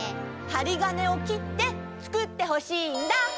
はりがねをきってつくってほしいんだ！